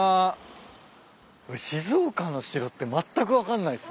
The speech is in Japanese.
静岡の城ってまったく分かんないっす。